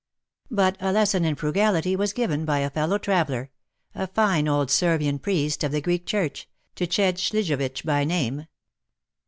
But a lesson in frugality was given by a fellow traveller — a fine old Servian priest of the Greek Church — Tsched Schljivitsch by name.